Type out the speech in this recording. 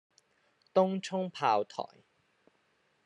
東涌炮台